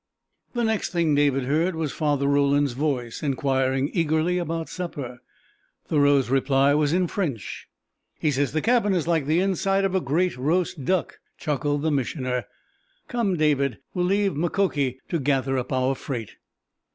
The next thing David heard was Father Roland's voice inquiring eagerly about supper. Thoreau's reply was in French. "He says the cabin is like the inside of a great, roast duck," chuckled the Missioner. "Come, David. We'll leave Mukoki to gather up our freight."